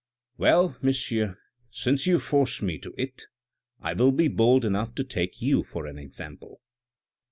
" Well, monsieur, since you force me to it, I will be bold enough to take you for an example.